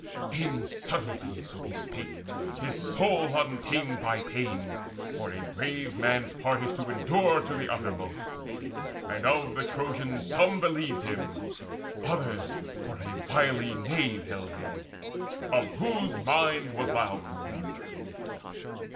In subtlety so he spake, his soul untamed By pain; for a brave man's part is to endure To the uttermost. And of the Trojans some Believed him, others for a wily knave Held him, of whose mind was Laocoon.